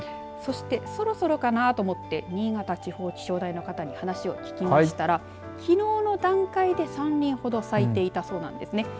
そして、そろそろかなと思って新潟地方気象台の方に話を聞きましたらきのうの段階で３輪ほど咲いていたそうなんですね。